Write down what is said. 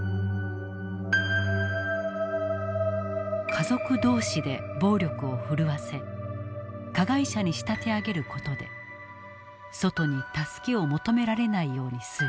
家族同士で暴力を振るわせ加害者に仕立て上げる事で外に助けを求められないようにする。